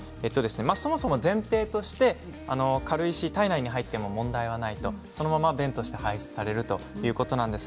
そもそも前提として軽石が体内に入っても問題はないそのまま、便として排出されるということです。